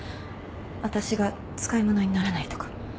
私が使い物にならないとか。